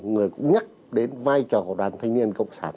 người cũng nhắc đến vai trò của đoàn thanh niên cộng sản